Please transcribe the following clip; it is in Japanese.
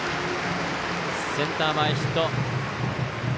センター前ヒット。